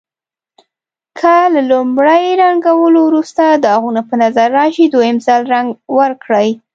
که له لومړي رنګولو وروسته داغونه په نظر راشي دویم ځل رنګ ورکړئ.